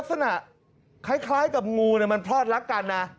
ลักษณะคล้ายกับงูมันพลอดรักกันนะ